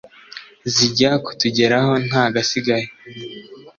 Zijya kutujyeraho ntagasigaye!